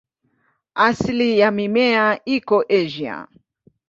Asili ya mimea iko Asia.